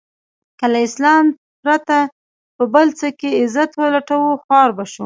که له اسلام پرته په بل څه کې عزت و لټوو خوار به شو.